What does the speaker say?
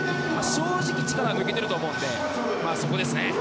正直、１つ力は抜けていると思うのでそこですね。